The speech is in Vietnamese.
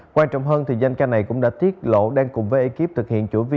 quan trọng hơn thì danh ca này cũng đã tiết lộ đang cùng với ekip thực hiện chương trình